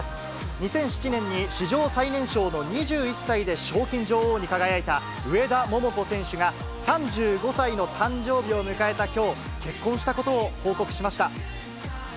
２００７年に史上最年少の２１歳で賞金女王に輝いた上田桃子選手が、３５歳の誕生日を迎えたきょう、結婚したことを報告しました。